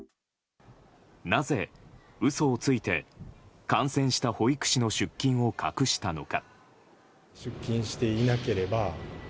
なぜ、嘘をついて感染した保育士の出勤を隠したのか。